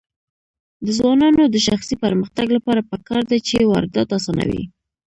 د ځوانانو د شخصي پرمختګ لپاره پکار ده چې واردات اسانوي.